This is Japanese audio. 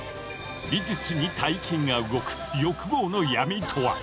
美術に大金が動く「欲望の闇」とは？